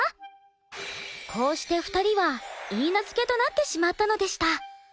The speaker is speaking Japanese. こうして２人は許嫁となってしまったのでした。